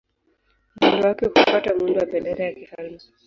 Muundo wake hufuata muundo wa bendera ya kifalme.